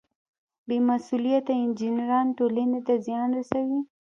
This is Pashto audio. بې مسؤلیته انجینران ټولنې ته زیان رسوي.